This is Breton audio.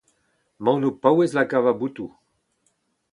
Emaon o paouez lakaat ma botoù.